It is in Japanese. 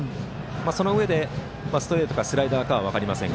そのうえで、ストレートかスライダーかは分かりませんが。